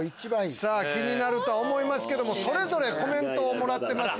気になるとは思いますけどもそれぞれコメントをもらってます